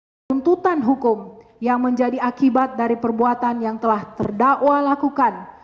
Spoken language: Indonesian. tuntutan hukum yang menjadi akibat dari perbuatan yang telah terdakwa lakukan